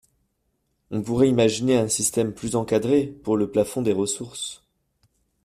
On pourrait imaginer un système plus encadré pour le plafond des ressources.